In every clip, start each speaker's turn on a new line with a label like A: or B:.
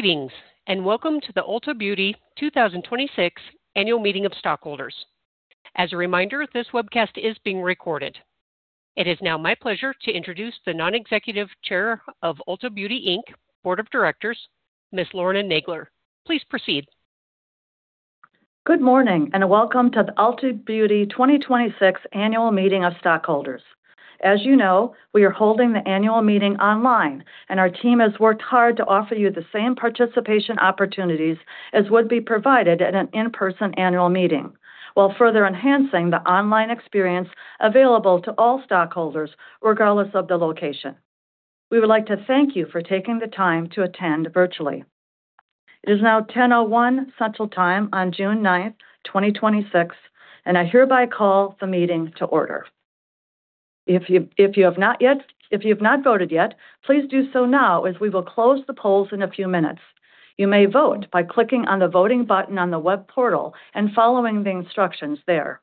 A: Greetings, welcome to the Ulta Beauty 2026 annual meeting of stockholders. As a reminder, this webcast is being recorded. It is now my pleasure to introduce the non-executive Chair of Ulta Beauty, Inc. Board of Directors, Ms. Lorna Nagler. Please proceed.
B: Good morning, welcome to the Ulta Beauty 2026 annual meeting of stockholders. As you know, we are holding the annual meeting online. Our team has worked hard to offer you the same participation opportunities as would be provided at an in-person annual meeting, while further enhancing the online experience available to all stockholders, regardless of the location. We would like to thank you for taking the time to attend virtually. It is now 10:01 A.M. Central Time on June 9th, 2026. I hereby call the meeting to order. If you have not voted yet, please do so now, as we will close the polls in a few minutes. You may vote by clicking on the Voting button on the web portal and following the instructions there.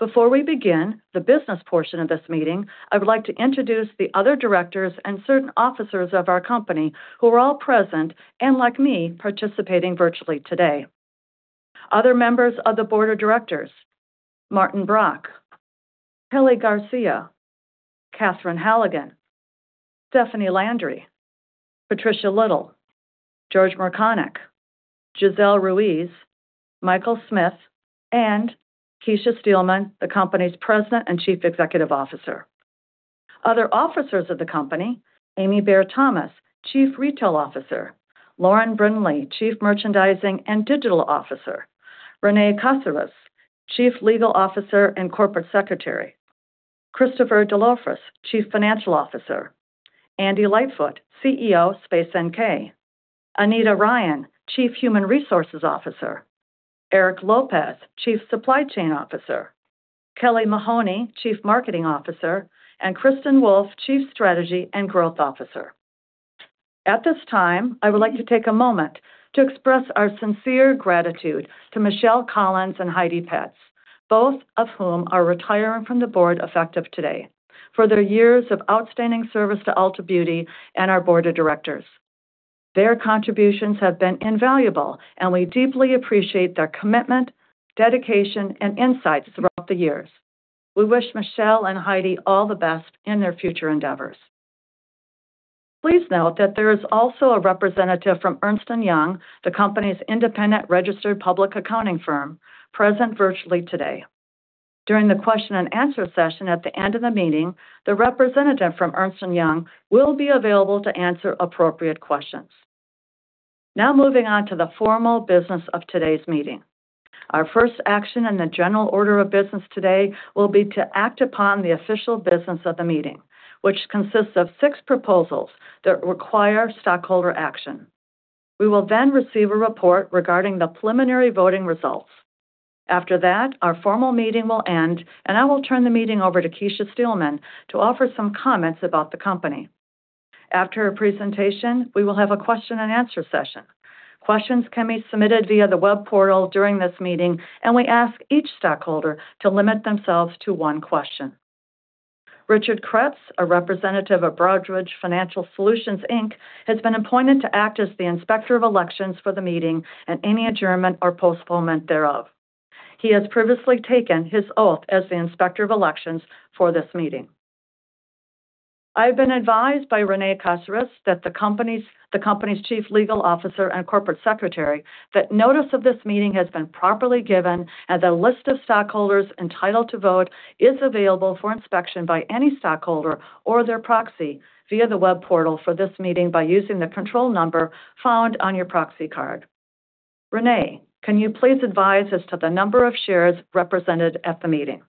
B: Before we begin the business portion of this meeting, I would like to introduce the other directors and certain officers of our company who are all present and, like me, participating virtually today. Other members of the Board of Directors: Martin Brok, Kelly Garcia, Catherine Halligan, Stephenie Landry, Patricia Little, George Mrkonic, Gisel Ruiz, Michael Smith, and Kecia Steelman, the company's President and Chief Executive Officer. Other officers of the company: Amiee Bayer-Thomas, Chief Retail Officer. Lauren Brindley, Chief Merchandising and Digital Officer. Rene Cásares, Chief Legal Officer and Corporate Secretary. Chris DelOrefice, Chief Financial Officer. Andy Lightfoot, CEO, Space NK. Anita Ryan, Chief Human Resources Officer. Erik Lopez, Chief Supply Chain Officer. Kelly Mahoney, Chief Marketing Officer, and Kristin Wolf, Chief Strategy and Growth Officer. At this time, I would like to take a moment to express our sincere gratitude to Michelle Collins and Heidi Petz, both of whom are retiring from the Board effective today, for their years of outstanding service to Ulta Beauty and our Board of Directors. Their contributions have been invaluable. We deeply appreciate their commitment, dedication, and insights throughout the years. We wish Michelle and Heidi all the best in their future endeavors. Please note that there is also a representative from Ernst & Young, the company's independent registered public accounting firm, present virtually today. During the question and answer session at the end of the meeting, the representative from Ernst & Young will be available to answer appropriate questions. Now moving on to the formal business of today's meeting. Our first action in the general order of business today will be to act upon the official business of the meeting, which consists of six proposals that require stockholder action. We will then receive a report regarding the preliminary voting results. After that, our formal meeting will end, and I will turn the meeting over to Kecia Steelman to offer some comments about the company. After her presentation, we will have a question and answer session. Questions can be submitted via the web portal during this meeting, and we ask each stockholder to limit themselves to one question. Richard Kreps, a representative of Broadridge Financial Solutions, Inc., has been appointed to act as the Inspector of Elections for the meeting and any adjournment or postponement thereof. He has previously taken his oath as the Inspector of Elections for this meeting. I have been advised by Rene Cásares, the company's Chief Legal Officer and Corporate Secretary, that notice of this meeting has been properly given, and the list of stockholders entitled to vote is available for inspection by any stockholder or their proxy via the web portal for this meeting by using the control number found on your proxy card. Rene, can you please advise as to the number of shares represented at the meeting?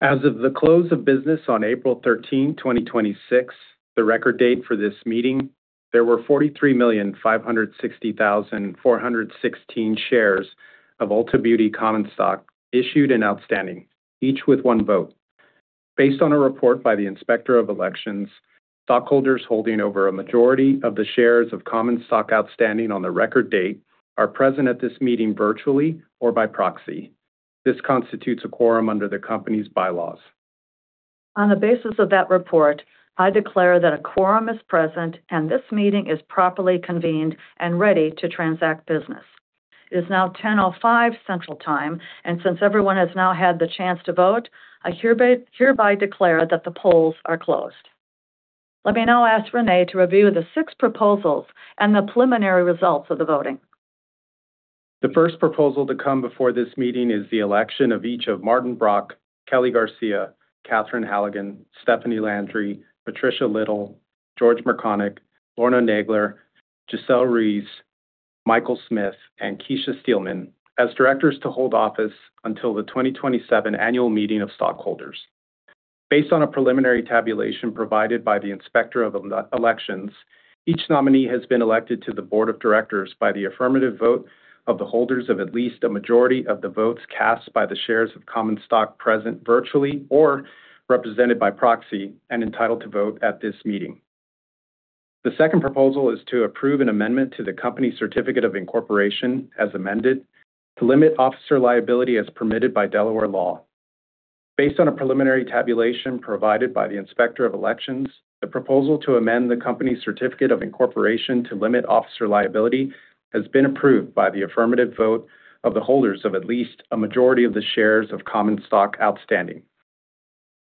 C: As of the close of business on April 13, 2026, the record date for this meeting, there were 43,560,416 shares of Ulta Beauty common stock issued and outstanding, each with one vote. Based on a report by the Inspector of Elections, stockholders holding over a majority of the shares of common stock outstanding on the record date are present at this meeting virtually or by proxy. This constitutes a quorum under the company's bylaws.
B: On the basis of that report, I declare that a quorum is present, and this meeting is properly convened and ready to transact business. It is now 10:05 Central Time, and since everyone has now had the chance to vote, I hereby declare that the polls are closed. Let me now ask Rene to review the six proposals and the preliminary results of the voting.
C: The first proposal to come before this meeting is the election of each of Martin Brok, Kelly E. Garcia, Catherine Halligan, Stephenie Landry, Patricia Little, George Mrkonic, Lorna Nagler, Gisel Ruiz, Mike Smith, and Kecia Steelman as directors to hold office until the 2027 annual meeting of stockholders. Based on a preliminary tabulation provided by the Inspector of Elections, each nominee has been elected to the Board of Directors by the affirmative vote of the holders of at least a majority of the votes cast by the shares of common stock present virtually or represented by proxy and entitled to vote at this meeting. The second proposal is to approve an amendment to the company Certificate of Incorporation as amended to limit officer liability as permitted by Delaware law. Based on a preliminary tabulation provided by the Inspector of Elections, the proposal to amend the company's certificate of incorporation to limit officer liability has been approved by the affirmative vote of the holders of at least a majority of the shares of common stock outstanding.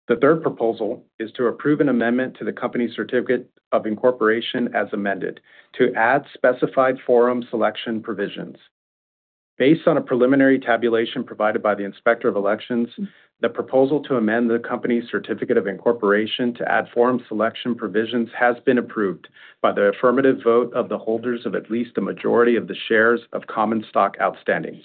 C: The third proposal is to approve an amendment to the company's Certificate of Incorporation, as amended, to add specified forum selection provisions. Based on a preliminary tabulation provided by the Inspector of Elections, the proposal to amend the company's Certificate of Incorporation to add forum selection provisions has been approved by the affirmative vote of the holders of at least a majority of the shares of common stock outstanding.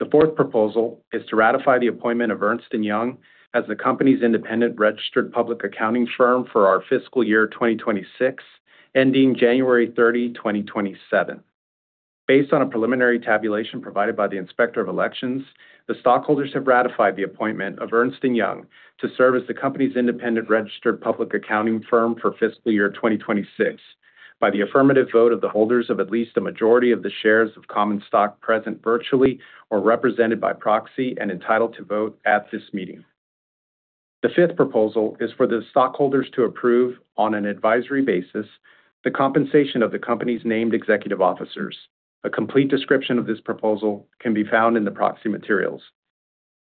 C: The fourth proposal is to ratify the appointment of Ernst & Young as the company's independent registered public accounting firm for our fiscal year 2026, ending January 30, 2027. Based on a preliminary tabulation provided by the Inspector of Elections, the stockholders have ratified the appointment of Ernst & Young to serve as the company's independent registered public accounting firm for fiscal year 2026 by the affirmative vote of the holders of at least a majority of the shares of common stock present virtually or represented by proxy and entitled to vote at this meeting. The fifth proposal is for the stockholders to approve, on an advisory basis, the compensation of the company's named executive officers. A complete description of this proposal can be found in the proxy materials.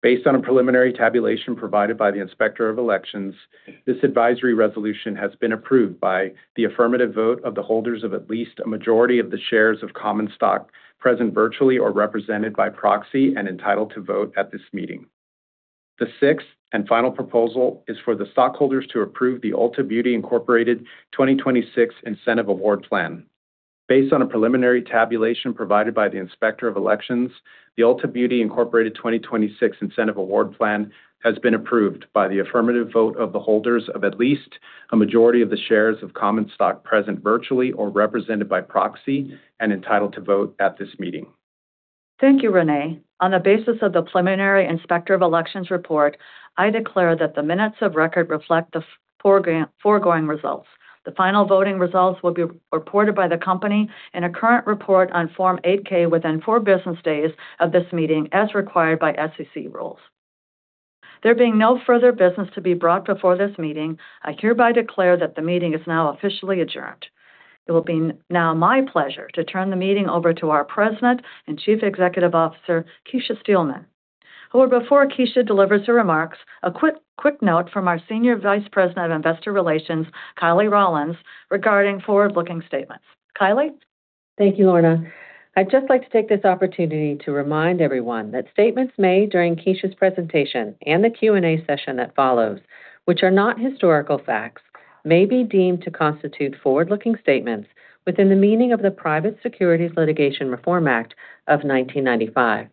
C: Based on a preliminary tabulation provided by the Inspector of Elections, this advisory resolution has been approved by the affirmative vote of the holders of at least a majority of the shares of common stock present virtually or represented by proxy and entitled to vote at this meeting. The sixth and final proposal is for the stockholders to approve the 2026 Ulta Beauty, Inc. Incentive Award Plan. Based on a preliminary tabulation provided by the Inspector of Elections, the 2026 Ulta Beauty, Inc. Incentive Award Plan has been approved by the affirmative vote of the holders of at least a majority of the shares of common stock present virtually or represented by proxy and entitled to vote at this meeting.
B: Thank you, Rene. On the basis of the preliminary Inspector of Elections report, I declare that the minutes of record reflect the foregoing results. The final voting results will be reported by the company in a current report on Form 8-K within four business days of this meeting, as required by SEC rules. There being no further business to be brought before this meeting, I hereby declare that the meeting is now officially adjourned. It will be now my pleasure to turn the meeting over to our President and Chief Executive Officer, Kecia Steelman. However, before Kecia delivers her remarks, a quick note from our Senior Vice President of Investor Relations, Kylie Rollins, regarding forward-looking statements. Kylie?
D: Thank you, Lorna. I'd just like to take this opportunity to remind everyone that statements made during Kecia's presentation, and the Q&A session that follows, which are not historical facts, may be deemed to constitute forward-looking statements within the meaning of the Private Securities Litigation Reform Act of 1995.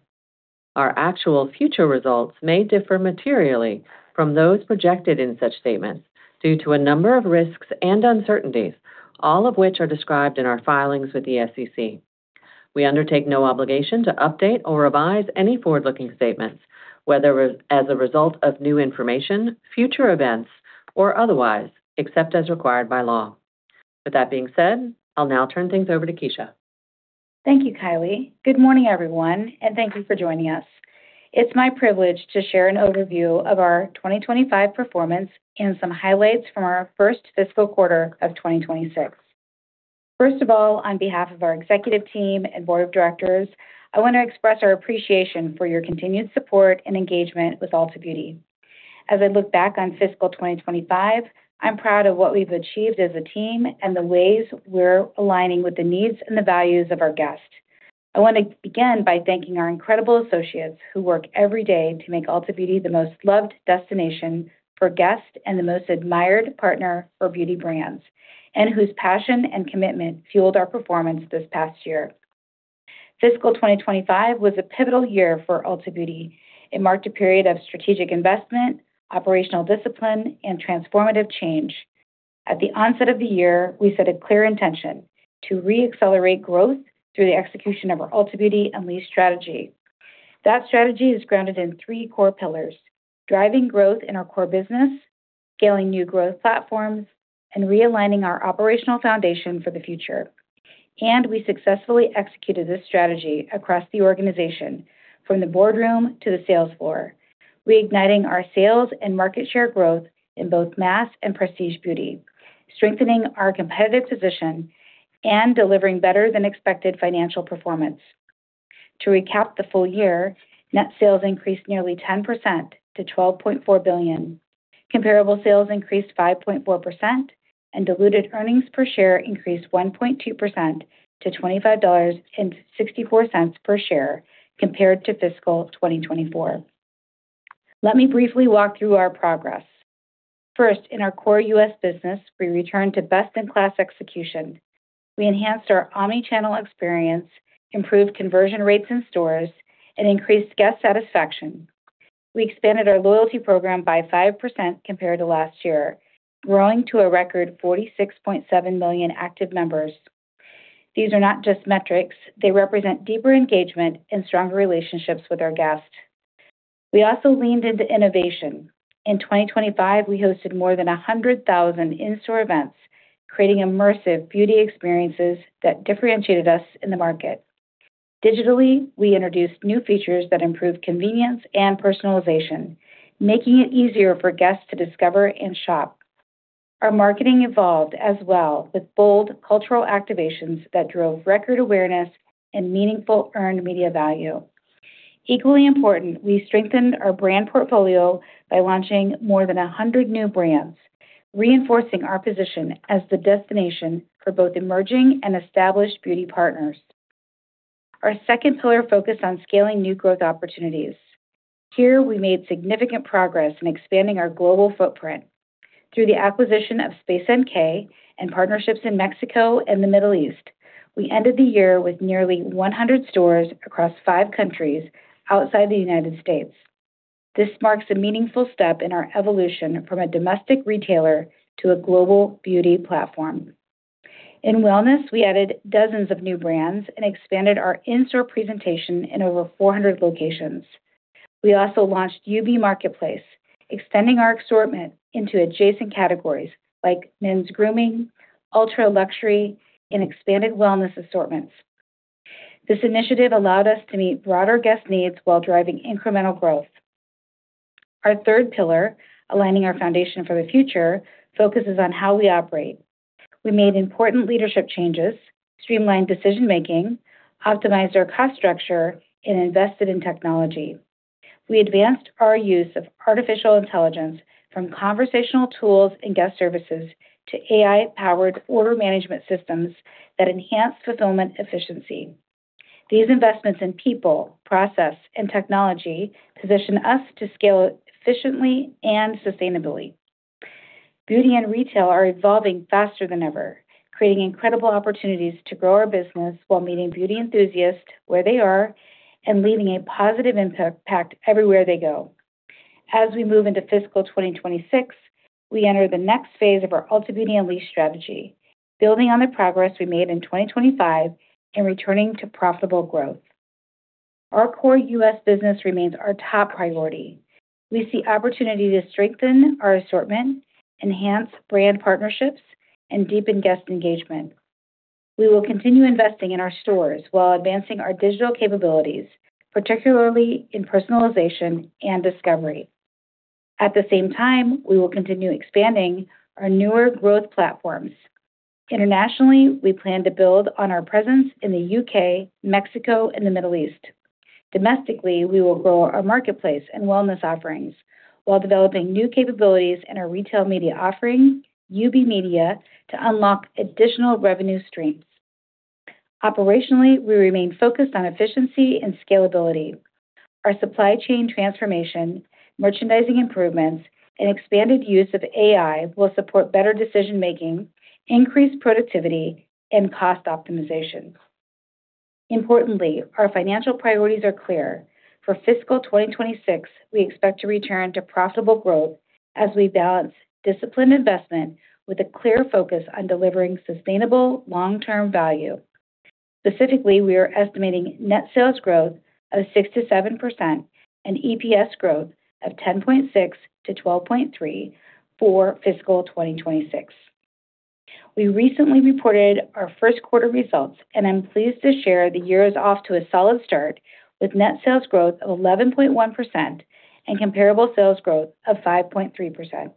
D: Our actual future results may differ materially from those projected in such statements due to a number of risks and uncertainties, all of which are described in our filings with the SEC. We undertake no obligation to update or revise any forward-looking statements, whether as a result of new information, future events, or otherwise, except as required by law. With that being said, I'll now turn things over to Kecia.
E: Thank you, Kylie. Good morning, everyone, and thank you for joining us. It's my privilege to share an overview of our 2025 performance and some highlights from our first fiscal quarter of 2026. First of all, on behalf of our executive team and Board of Directors, I want to express our appreciation for your continued support and engagement with Ulta Beauty. As I look back on fiscal 2025, I'm proud of what we've achieved as a team and the ways we're aligning with the needs and the values of our guests. I want to begin by thanking our incredible associates who work every day to make Ulta Beauty the most loved destination for guests and the most admired partner for beauty brands, and whose passion and commitment fueled our performance this past year. Fiscal 2025 was a pivotal year for Ulta Beauty. It marked a period of strategic investment, operational discipline, and transformative change. At the onset of the year, we set a clear intention to re-accelerate growth through the execution of our Ulta Beauty Unleashed strategy. That strategy is grounded in three core pillars: driving growth in our core business, scaling new growth platforms, and realigning our operational foundation for the future. We successfully executed this strategy across the organization, from the boardroom to the sales floor, reigniting our sales and market share growth in both mass and prestige beauty, strengthening our competitive position, and delivering better than expected financial performance. To recap the full year, net sales increased nearly 10% to $12.4 billion, comparable sales increased 5.4%, and diluted earnings per share increased 1.2% to $25.64 per share compared to fiscal 2024. Let me briefly walk through our progress. First, in our core U.S. business, we returned to best-in-class execution. We enhanced our omnichannel experience, improved conversion rates in stores, and increased guest satisfaction. We expanded our loyalty program by 5% compared to last year, growing to a record 46.7 million active members. These are not just metrics. They represent deeper engagement and stronger relationships with our guests. We also leaned into innovation. In 2025, we hosted more than 100,000 in-store events, creating immersive beauty experiences that differentiated us in the market. Digitally, we introduced new features that improved convenience and personalization, making it easier for guests to discover and shop. Our marketing evolved as well with bold cultural activations that drove record awareness and meaningful earned media value. Equally important, we strengthened our brand portfolio by launching more than 100 new brands, reinforcing our position as the destination for both emerging and established beauty partners. Our second pillar focused on scaling new growth opportunities. Here, we made significant progress in expanding our global footprint through the acquisition of Space NK and partnerships in Mexico and the Middle East. We ended the year with nearly 100 stores across five countries outside the United States. This marks a meaningful step in our evolution from a domestic retailer to a global beauty platform. In wellness, we added dozens of new brands and expanded our in-store presentation in over 400 locations. We also launched UB Marketplace, extending our assortment into adjacent categories like men's grooming, ultra-luxury, and expanded wellness assortments. This initiative allowed us to meet broader guest needs while driving incremental growth. Our third pillar, aligning our foundation for the future, focuses on how we operate. We made important leadership changes, streamlined decision-making, optimized our cost structure, and invested in technology. We advanced our use of artificial intelligence from conversational tools and guest services to AI-powered order management systems that enhance fulfillment efficiency. These investments in people, process, and technology position us to scale efficiently and sustainably. Beauty and retail are evolving faster than ever, creating incredible opportunities to grow our business while meeting beauty enthusiasts where they are and leaving a positive impact everywhere they go. As we move into fiscal 2026, we enter the next phase of our Ulta Beauty Unleashed strategy, building on the progress we made in 2025 and returning to profitable growth. Our core U.S. business remains our top priority. We see opportunity to strengthen our assortment, enhance brand partnerships, and deepen guest engagement. We will continue investing in our stores while advancing our digital capabilities, particularly in personalization and discovery. At the same time, we will continue expanding our newer growth platforms. Internationally, we plan to build on our presence in the U.K., Mexico, and the Middle East. Domestically, we will grow our marketplace and wellness offerings while developing new capabilities in our retail media offering, UB Media, to unlock additional revenue streams. Operationally, we remain focused on efficiency and scalability. Our supply chain transformation, merchandising improvements, and expanded use of AI will support better decision-making, increased productivity, and cost optimization. Importantly, our financial priorities are clear. For fiscal 2026, we expect to return to profitable growth as we balance disciplined investment with a clear focus on delivering sustainable long-term value. Specifically, we are estimating net sales growth of 6%-7% and EPS growth of 10.6%-12.3% for fiscal 2026. We recently reported our first quarter results. I'm pleased to share the year is off to a solid start with net sales growth of 11.1% and comparable sales growth of 5.3%.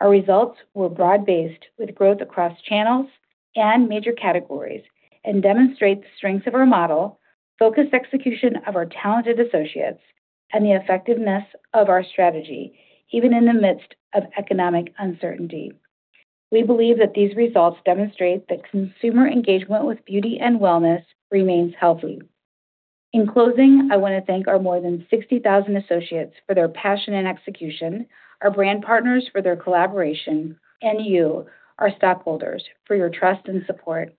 E: Our results were broad-based, with growth across channels and major categories, and demonstrate the strengths of our model, focused execution of our talented associates, and the effectiveness of our strategy, even in the midst of economic uncertainty. We believe that these results demonstrate that consumer engagement with beauty and wellness remains healthy. In closing, I want to thank our more than 60,000 associates for their passion and execution, our brand partners for their collaboration, and you, our stockholders, for your trust and support.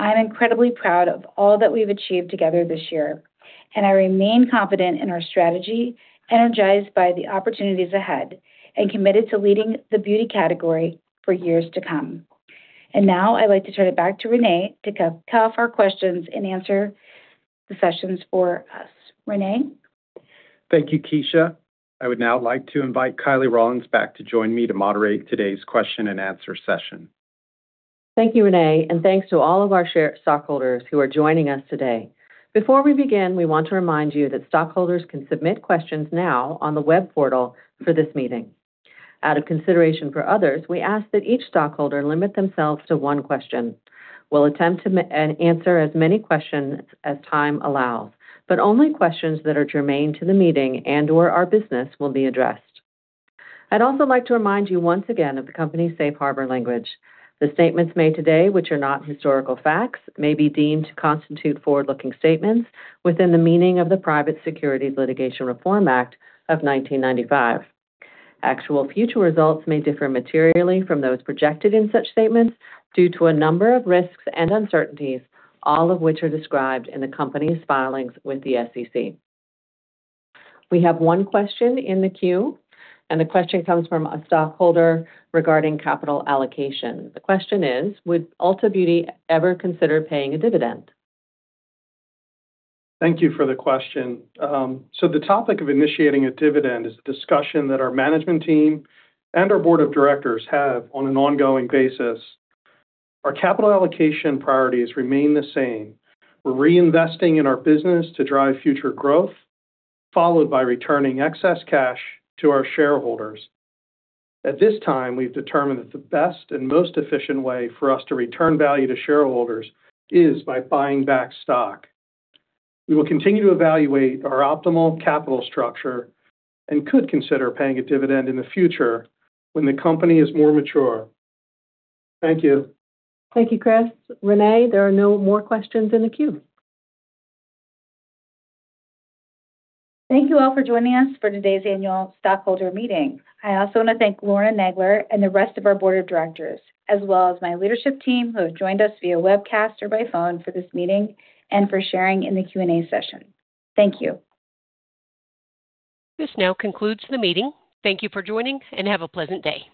E: I'm incredibly proud of all that we've achieved together this year, and I remain confident in our strategy, energized by the opportunities ahead, and committed to leading the beauty category for years to come. Now I'd like to turn it back to Rene to kick off our questions and answer the sessions for us. Rene?
C: Thank you, Kecia. I would now like to invite Kylie Rollins back to join me to moderate today's question and answer session.
D: Thank you, Rene, and thanks to all of our stockholders who are joining us today. Before we begin, we want to remind you that stockholders can submit questions now on the web portal for this meeting. Out of consideration for others, we ask that each stockholder limit themselves to one question. We'll attempt to answer as many questions as time allows, but only questions that are germane to the meeting and/or our business will be addressed. I'd also like to remind you once again of the company's safe harbor language. The statements made today, which are not historical facts, may be deemed to constitute forward-looking statements within the meaning of the Private Securities Litigation Reform Act of 1995. Actual future results may differ materially from those projected in such statements due to a number of risks and uncertainties, all of which are described in the company's filings with the SEC. We have one question in the queue. The question comes from a stockholder regarding capital allocation. The question is, would Ulta Beauty ever consider paying a dividend?
F: Thank you for the question. The topic of initiating a dividend is a discussion that our management team and our Board of Directors have on an ongoing basis. Our capital allocation priorities remain the same. We're reinvesting in our business to drive future growth, followed by returning excess cash to our shareholders. At this time, we've determined that the best and most efficient way for us to return value to shareholders is by buying back stock. We will continue to evaluate our optimal capital structure and could consider paying a dividend in the future when the company is more mature. Thank you.
D: Thank you, Chris. Rene, there are no more questions in the queue.
E: Thank you all for joining us for today's annual stockholder meeting. I also want to thank Lorna Nagler and the rest of our Board of Directors, as well as my leadership team, who have joined us via webcast or by phone for this meeting and for sharing in the Q&A session. Thank you.
A: This now concludes the meeting. Thank you for joining, and have a pleasant day.